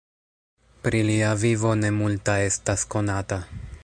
Pri lia vivo ne multa estas konata.